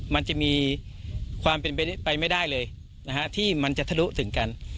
มันจะมีความเป็นไปไม่ได้เลยที่มันจะทะลุถึงกัน